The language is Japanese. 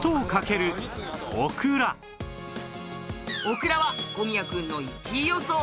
オクラは小宮くんの１位予想。